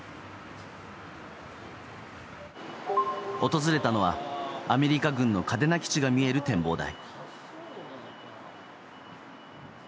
訪れたのはアメリカ軍の嘉手納基地が見える展望台。